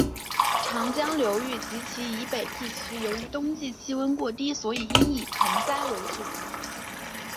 长江流域及其以北地区由于冬季气温过低所以应以盆栽为主。